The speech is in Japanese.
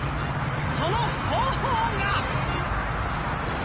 その方法が。